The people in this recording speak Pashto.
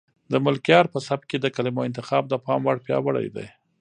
د ملکیار په سبک کې د کلمو انتخاب د پام وړ پیاوړی دی.